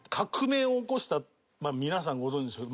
皆さんご存じでしょう。